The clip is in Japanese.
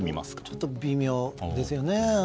ちょっと微妙ですよね。